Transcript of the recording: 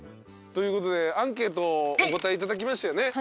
ということでアンケートお答えいただきましたよね？